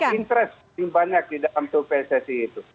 konflik of interest yang banyak di dalam pssi itu